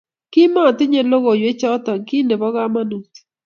Kimatinyei logoywek choto kiy nebo kamanut